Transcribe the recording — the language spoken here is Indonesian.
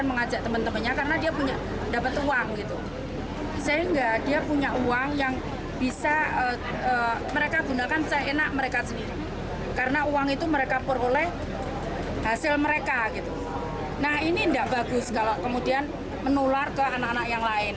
nah ini tidak bagus kalau kemudian menular ke anak anak yang lain